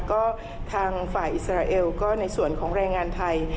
ก็ทางฝ่ายอิสราเอลก็ในส่วนของแรงงานไทย